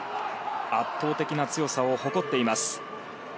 圧倒的な強さを誇っています。